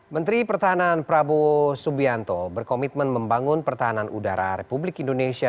menteri pertahanan prabowo subianto berkomitmen membangun pertahanan udara republik indonesia